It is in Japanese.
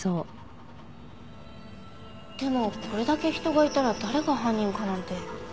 でもこれだけ人がいたら誰が犯人かなんて。